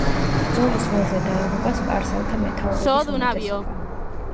ბრძოლის ველზე დაიღუპა სპარსელთა მეთაურების უმეტესობა.